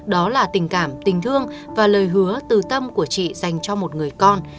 đó là tình cảm tình thương và lời hứa từ tâm của chị dành cho một người con